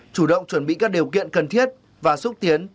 chủ động chuẩn bị các điều kiện cần thiết và xúc tiến